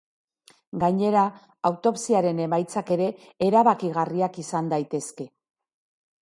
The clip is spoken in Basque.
Gainera, autopsiaren emaitzak ere erabakigarriak izan daitezke.